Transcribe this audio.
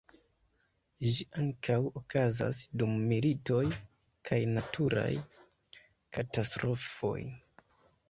Ĝi ankaŭ okazas dum militoj kaj naturaj katastrofoj.